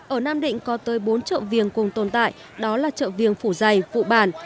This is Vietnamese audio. ở nam định có tới bốn chợ viếng cùng tồn tại đó là chợ viếng phủ giày phụ bản